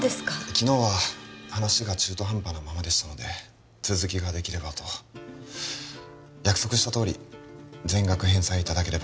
昨日は話が中途半端なままでしたので続きができればと約束したとおり全額返済いただけれ